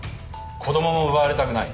子どもも奪われたくない。